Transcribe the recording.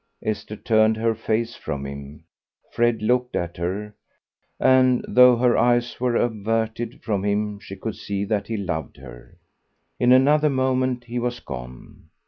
Esther turned her face from him. Fred looked at her, and though her eyes were averted from him she could see that he loved her. In another moment he was gone.